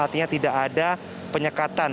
artinya tidak ada penyekatan